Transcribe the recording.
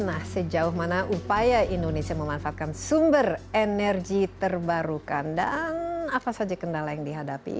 nah sejauh mana upaya indonesia memanfaatkan sumber energi terbarukan dan apa saja kendala yang dihadapi